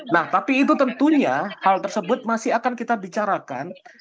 nah tapi itu tentunya hal tersebut masih akan kita bicarakan